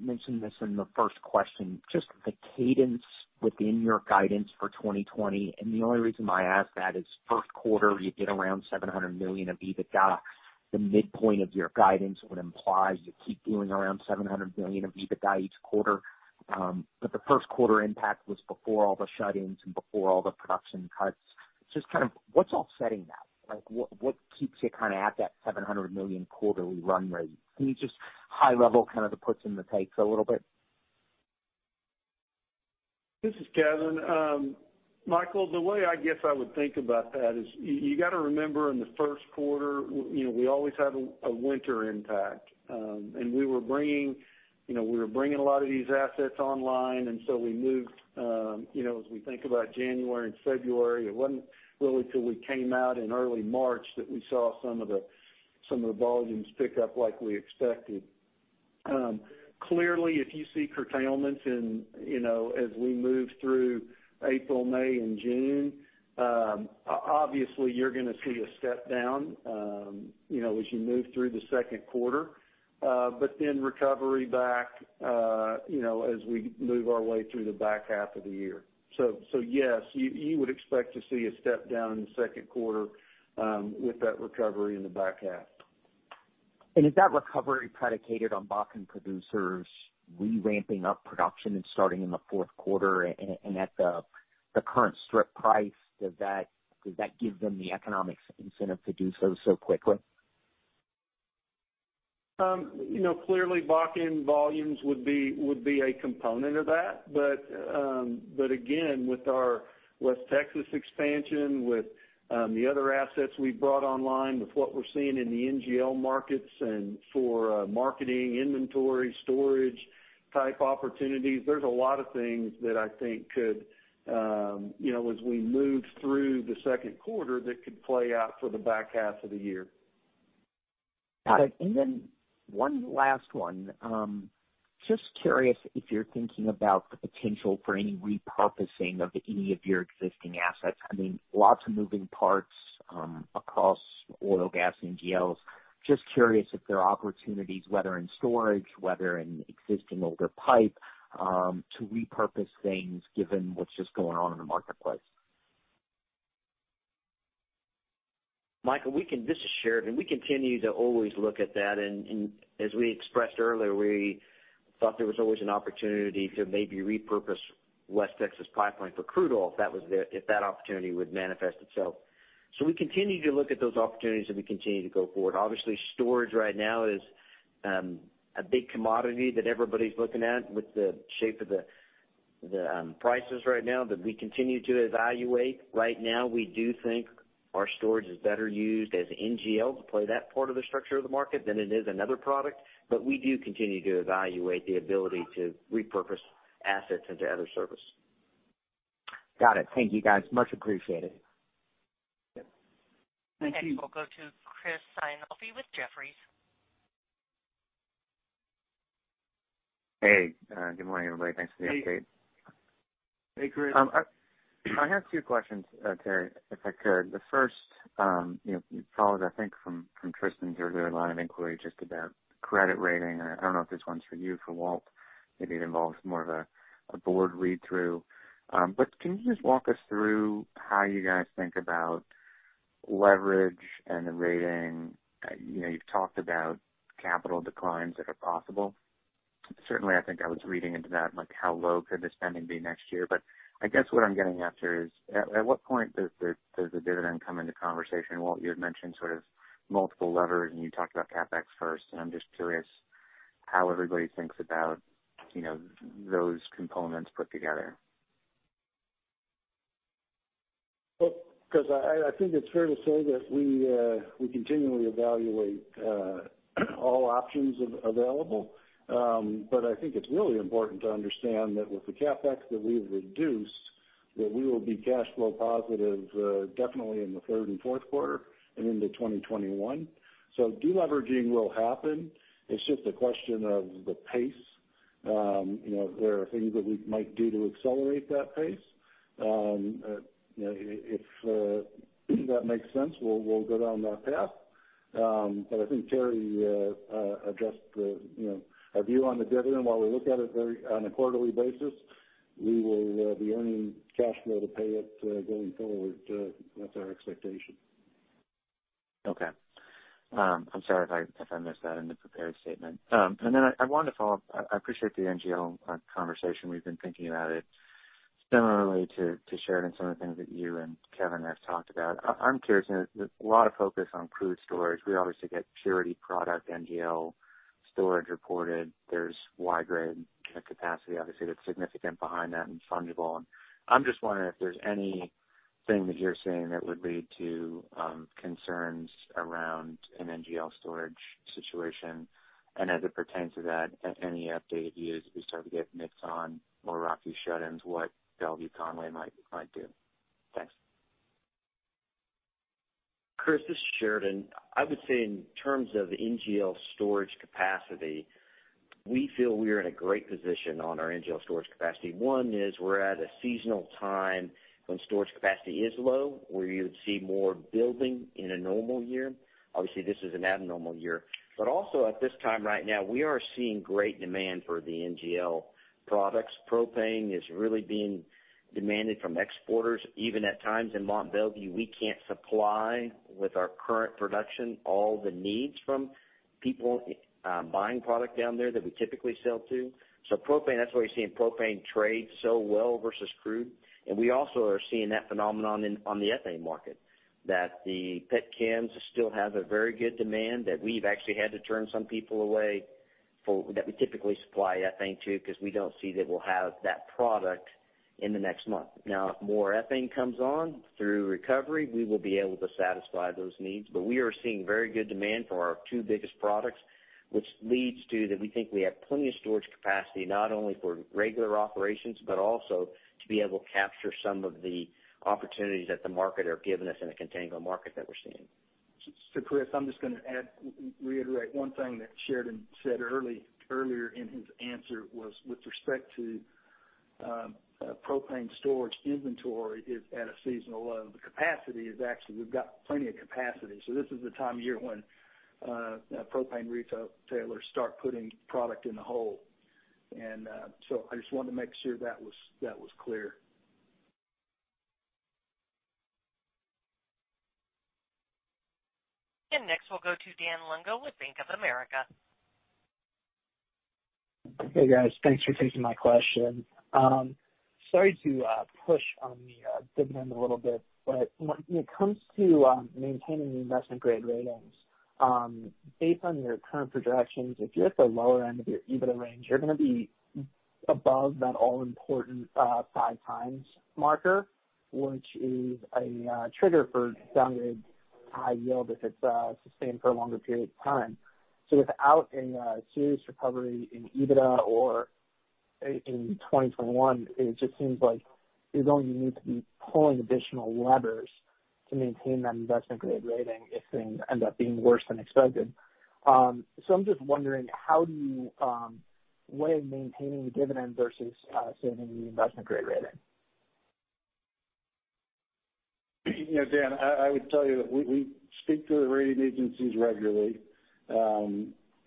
mentioned this in the first question, just the cadence within your guidance for 2020. The only reason why I ask that is Q1 you did around $700 million of EBITDA. The midpoint of your guidance would imply you keep doing around $700 million of EBITDA each quarter. The Q1 impact was before all the shut-ins and before all the production cuts. Just kind of what's offsetting that? What keeps you kind of at that $700 million quarterly run rate? Can you just high level kind of the puts and the takes a little bit? This is Kevin. Michael, the way I guess I would think about that is you got to remember in Q1, we always have a winter impact. We were bringing a lot of these assets online, as we think about January and February, it wasn't really till we came out in early March that we saw some of the volumes pick up like we expected. Clearly, if you see curtailments as we move through April, May, and June, obviously you're going to see a step down as you move through the Q2. Recovery back as we move our way through the H2 of the year. Yes, you would expect to see a step down in the Q2 with that recovery in the H2. Is that recovery predicated on Bakken producers re-ramping up production and starting in the Q4 and at the current strip price? Does that give them the economic incentive to do so quickly? Clearly Bakken volumes would be a component of that. Again, with our West Texas expansion, with the other assets we've brought online, with what we're seeing in the NGL markets and for marketing inventory, storage type opportunities, there's a lot of things that I think could, as we move through the Q2, that could play out for the H2 of the year. Got it. Then one last one. Just curious if you're thinking about the potential for any repurposing of any of your existing assets. Lots of moving parts across oil, gas, NGLs. Just curious if there are opportunities, whether in storage, whether in existing older pipe, to repurpose things given what's just going on in the marketplace. Michael, this is Sheridan. We continue to always look at that, and as we expressed earlier, we thought there was always an opportunity to maybe repurpose West Texas Pipeline for crude oil if that opportunity would manifest itself. We continue to look at those opportunities as we continue to go forward. Obviously, storage right now is a big commodity that everybody's looking at with the shape of the prices right now. We continue to evaluate. Right now, we do think our storage is better used as NGL to play that part of the structure of the market than it is another product. We do continue to evaluate the ability to repurpose assets into other service. Got it. Thank you, guys. Much appreciated. Thank you. Next we'll go to Chris Sighinolfi with Jefferies. Hey, good morning, everybody. Thanks for the update. Hey, Chris. I have two questions, Terry, if I could. The first follows, I think from Tristan's earlier line of inquiry just about credit rating, and I don't know if this one's for you or for Walt, maybe it involves more of a board read through. Can you just walk us through how you guys think about leverage and the rating? You've talked about capital declines that are possible. Certainly, I think I was reading into that, like how low could the spending be next year. I guess what I'm getting at here is, at what point does the dividend come into conversation? Walt, you had mentioned sort of multiple levers and you talked about CapEx first, and I'm just curious how everybody thinks about those components put together. I think it's fair to say that we continually evaluate all options available. I think it's really important to understand that with the CapEx that we've reduced, that we will be cash flow positive definitely in the third and Q4 and into 2021. De-leveraging will happen. It's just a question of the pace. There are things that we might do to accelerate that pace. If that makes sense, we'll go down that path. I think Terry addressed our view on the dividend. While we look at it on a quarterly basis, we will be earning cash flow to pay it going forward. That's our expectation. Okay. I'm sorry if I missed that in the prepared statement. I wanted to follow up. I appreciate the NGL conversation. We've been thinking about it similarly to Sheridan, some of the things that you and Kevin have talked about. I'm curious, a lot of focus on crude storage. We obviously get purity product, NGL storage reported. There's wide grade capacity, obviously that's significant behind that and fungible. I'm just wondering if there's anything that you're seeing that would lead to concerns around an NGL storage situation. As it pertains to that, any updated views as we start to get mix on more Rocky shut-ins, what Belvieu Conway might do? Thanks. Chris, this is Sheridan. I would say in terms of NGL storage capacity, we feel we are in a great position on our NGL storage capacity. One is we're at a seasonal time when storage capacity is low, where you would see more building in a normal year. Obviously, this is an abnormal year. Also at this time right now, we are seeing great demand for the NGL products. Propane is really being demanded from exporters. Even at times in Mont Belvieu, we can't supply with our current production all the needs from people buying product down there that we typically sell to. Propane, that's why you're seeing propane trade so well versus crude. We also are seeing that phenomenon on the ethane market, that the petchems still have a very good demand, that we've actually had to turn some people away. We typically supply ethane too, because we don't see that we'll have that product in the next month. Now, if more ethane comes on through recovery, we will be able to satisfy those needs. We are seeing very good demand for our two biggest products, which leads to that we think we have plenty of storage capacity, not only for regular operations, but also to be able to capture some of the opportunities that the market are giving us in the contango market that we're seeing. Chris, I'm just going to reiterate one thing that Sheridan said earlier in his answer was with respect to propane storage inventory is at a seasonal low. The capacity is actually, we've got plenty of capacity. This is the time of year when propane retailers start putting product in the hole. I just wanted to make sure that was clear. Next, we'll go to Dan Lungo with Bank of America. Hey, guys. Thanks for taking my question. Sorry to push on the dividend a little bit, when it comes to maintaining the investment-grade ratings, based on your current projections, if you're at the lower end of your EBITDA range, you're going to be above that all-important 5x marker, which is a trigger for downgraded high yield if it's sustained for a longer period of time. Without a serious recovery in EBITDA or in 2021, it just seems like you're going to need to be pulling additional levers to maintain that investment-grade rating if things end up being worse than expected. I'm just wondering, how do you weigh maintaining the dividend versus saving the investment-grade rating? Dan, I would tell you that we speak to the rating agencies regularly.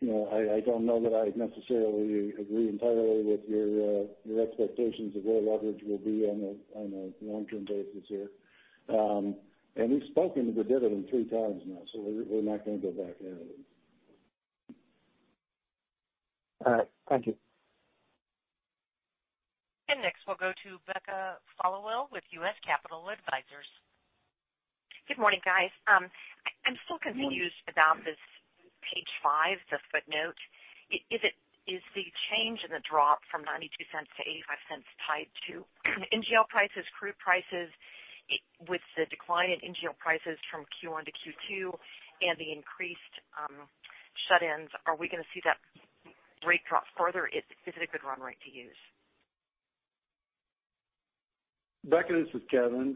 I don't know that I necessarily agree entirely with your expectations of where leverage will be on a long-term basis here. We've spoken to the dividend three times now, so we're not going to go back there. All right. Thank you. Next, we'll go to Becca Followill with U.S. Capital Advisors. Good morning, guys. I'm still confused about this page five, the footnote. Is the change in the drop from $0.92 to $0.85 tied to NGL prices, crude prices? With the decline in NGL prices from Q1 to Q2 and the increased shut-ins, are we going to see that rate drop further? Is it a good run rate to use? Becca, this is Kevin.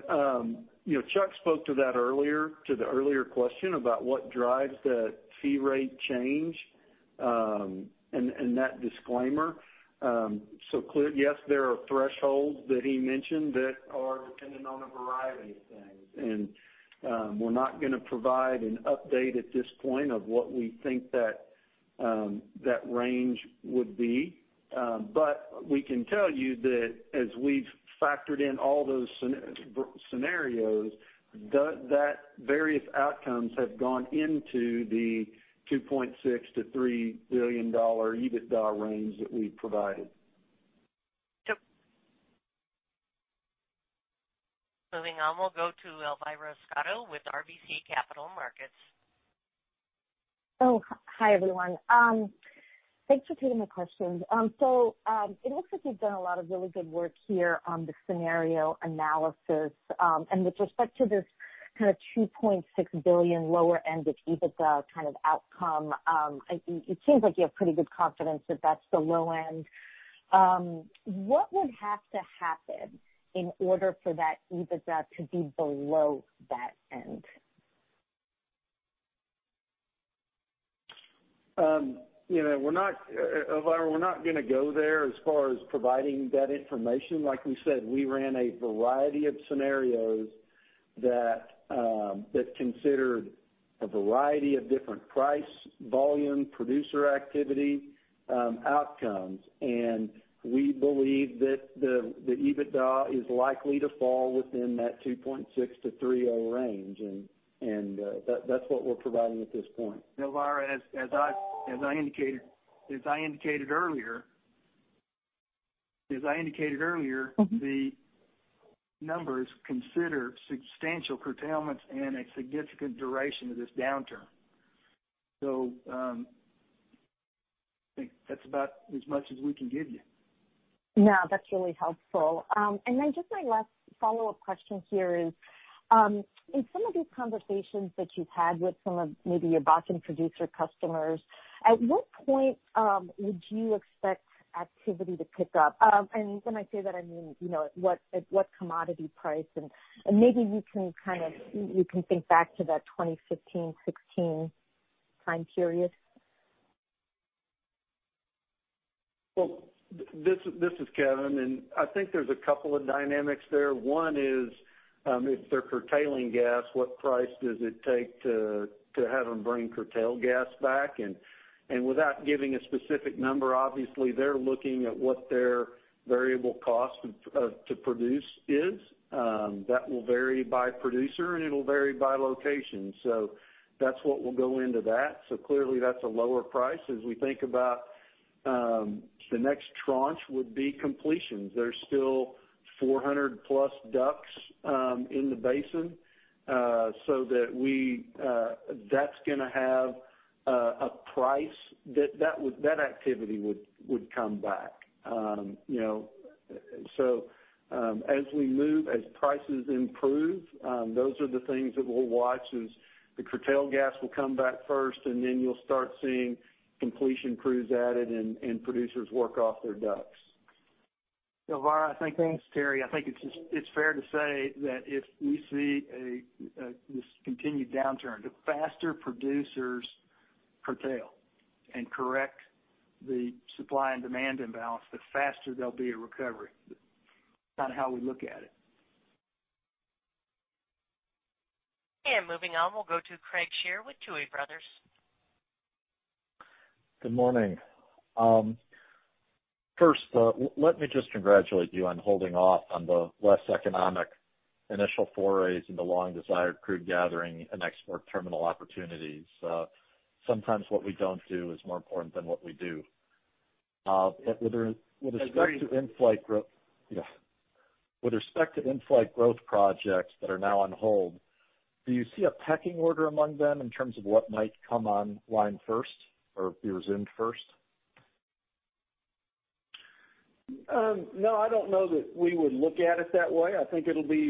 Chuck spoke to that earlier, to the earlier question about what drives the fee rate change, and that disclaimer. Yes, there are thresholds that he mentioned that are dependent on a variety of things. We're not going to provide an update at this point of what we think that range would be. We can tell you that as we've factored in all those scenarios, that various outcomes have gone into the $2.6 billion-$3 billion EBITDA range that we've provided. Sure. Moving on, we'll go to Elvira Scotto with RBC Capital Markets. Oh, hi, everyone. Thanks for taking my questions. It looks like you've done a lot of really good work here on the scenario analysis. With respect to this kind of $2.6 billion lower end of EBITDA kind of outcome, it seems like you have pretty good confidence that that's the low end. What would have to happen in order for that EBITDA to be below that end? Elvira, we're not going to go there as far as providing that information. Like we said, we ran a variety of scenarios that considered a variety of different price, volume, producer activity outcomes, and we believe that the EBITDA is likely to fall within that 2.6-3.0 range, and that's what we're providing at this point. Elvira, as I indicated earlier, the numbers consider substantial curtailments and a significant duration of this downturn. I think that's about as much as we can give you. No, that's really helpful. Just my last follow-up question here is, in some of these conversations that you've had with some of maybe your bottom producer customers, at what point would you expect activity to pick up? When I say that, I mean at what commodity price? Maybe you can think back to that 2015-2016 time period. Well, this is Kevin. I think there's a couple of dynamics there. One is, if they're curtailing gas, what price does it take to have them bring curtailed gas back? Without giving a specific number, obviously, they're looking at what their variable cost to produce is. That will vary by producer, and it'll vary by location. That's what will go into that. Clearly, that's a lower price. As we think about the next tranche would be completions. There's still 400+ DUCs in the basin, that's going to have a price. That activity would come back. As we move, as prices improve, those are the things that we'll watch, is the curtailed gas will come back first, and then you'll start seeing completion crews added and producers work off their DUCs. Elvira, Thanks, Terry. I think it's fair to say that if we see this continued downturn, the faster producers curtail and correct the supply and demand imbalance, the faster there'll be a recovery. That's kind of how we look at it Moving on, we'll go to Craig Shere with Tuohy Brothers. Good morning. First, let me just congratulate you on holding off on the less economic initial forays into long-desired crude gathering and export terminal opportunities. Sometimes what we don't do is more important than what we do. Agreed. With respect to in-flight growth projects that are now on hold, do you see a pecking order among them in terms of what might come online first or be resumed first? No, I don't know that we would look at it that way. I think it'll be,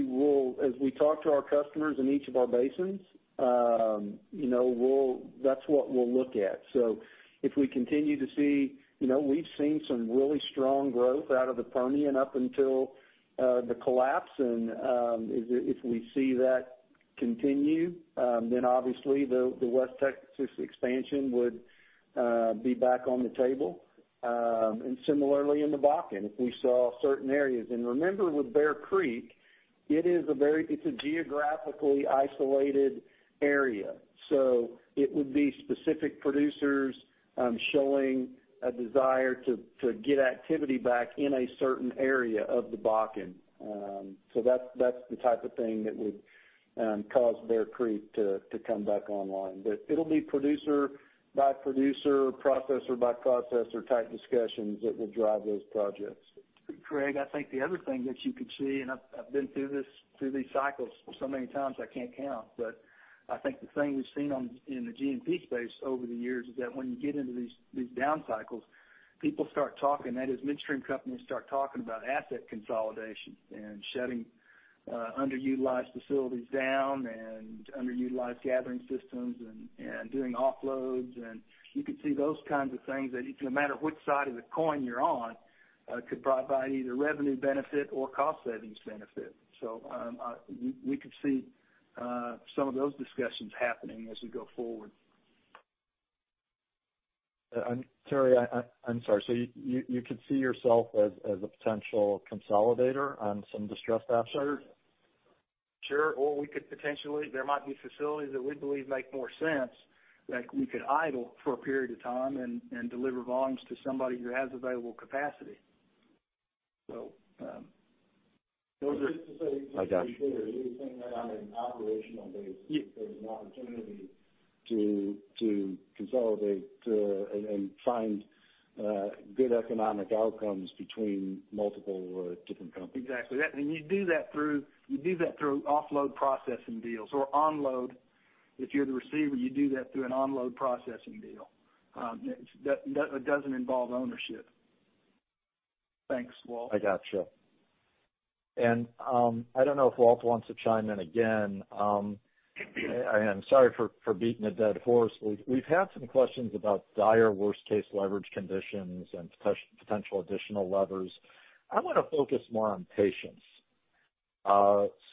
as we talk to our customers in each of our basins, that's what we'll look at. If we continue to see, we've seen some really strong growth out of the Permian up until the collapse. If we see that continue, obviously the West Texas expansion would be back on the table. Similarly in the Bakken, if we saw certain areas. Remember with Bear Creek, it's a geographically isolated area. It would be specific producers showing a desire to get activity back in a certain area of the Bakken. That's the type of thing that would cause Bear Creek to come back online. It'll be producer by producer, processor by processor type discussions that will drive those projects. Craig, I think the other thing that you could see, and I've been through these cycles so many times, I can't count. I think the thing we've seen in the G&P space over the years is that when you get into these down cycles, people start talking. That is, midstream companies start talking about asset consolidation and shutting underutilized facilities down and underutilized gathering systems and doing offloads. You could see those kinds of things that no matter which side of the coin you're on, could provide either revenue benefit or cost savings benefit. We could see some of those discussions happening as we go forward. Terry, I'm sorry. You could see yourself as a potential consolidator on some distressed assets? Sure. There might be facilities that we believe make more sense that we could idle for a period of time and deliver volumes to somebody who has available capacity. Just to say- I got you. -are you saying that on an operational basis- Yes -if there's an opportunity to consolidate and find good economic outcomes between multiple different companies? Exactly. You do that through offload processing deals or onload. If you're the receiver, you do that through an onload processing deal. That doesn't involve ownership. Thanks, Walter Hulse. I got you. I don't know if Walt wants to chime in again. I am sorry for beating a dead horse. We've had some questions about dire worst case leverage conditions and potential additional levers. I want to focus more on patience.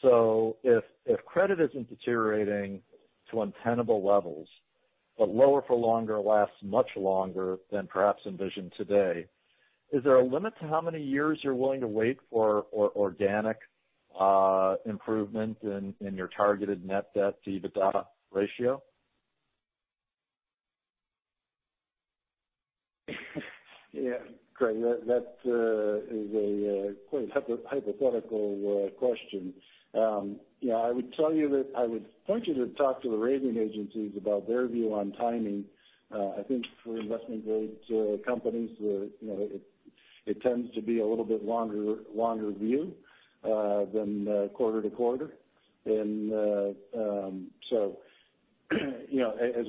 If credit isn't deteriorating to untenable levels, but lower for longer lasts much longer than perhaps envisioned today, is there a limit to how many years you're willing to wait for organic improvement in your targeted net debt to EBITDA ratio? Yeah. Craig, that is a quite hypothetical question. I would point you to talk to the rating agencies about their view on timing. I think for investment-grade companies, it tends to be a little bit longer view than quarter-to-quarter. As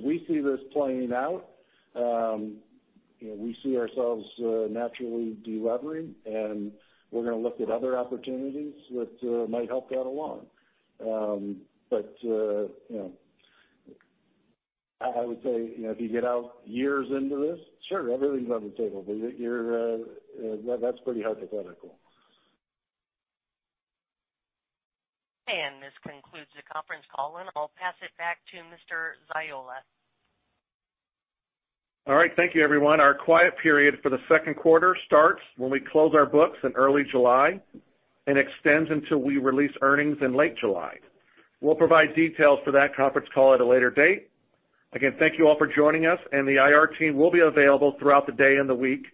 we see this playing out, we see ourselves naturally de-levering, and we're going to look at other opportunities which might help that along. I would say, if you get out years into this, sure, everything's on the table, but that's pretty hypothetical. This concludes the conference call. I'll pass it back to Mr. Ziola. All right. Thank you everyone. Our quiet period for the Q2 starts when we close our books in early July and extends until we release earnings in late July. We'll provide details for that conference call at a later date. Again, thank you all for joining us, and the IR team will be available throughout the day and the week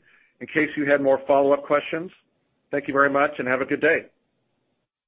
in case you had more follow-up questions. Thank you very much, and have a good day.